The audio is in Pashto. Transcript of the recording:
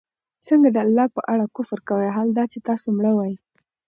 څنگه د الله په اړه كفر كوئ! حال دا چي تاسو مړه وئ